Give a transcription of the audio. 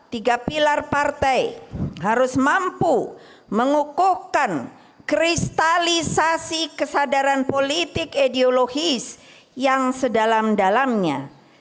tiga pilar partai harus mampu mengukuhkan kristalisasi kesadaran politik ideologis yang sedalam dalamnya